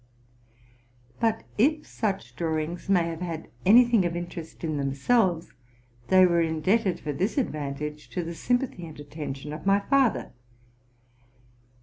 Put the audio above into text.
But, if such drawings may have had any thing of interest in themselves, they were indebted for this advantage to the sympathy and attention of my father.